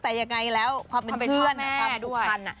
แต่ยังไงแล้วความเป็นเพื่อน